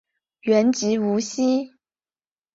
原籍无锡。